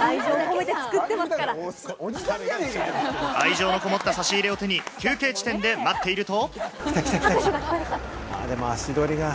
愛情のこもった差し入れを手に休憩地点で待っていると。